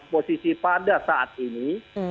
posisi pada saat ini